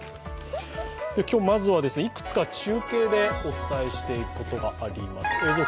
今日まずはいくつか中継でお伝えしていくことがあります。